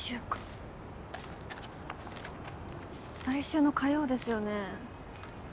来週の火曜ですよね。